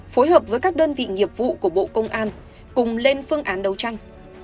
phối hợp với các đơn vị nghiệp vụ của bộ công an cùng lên phương án đấu tranh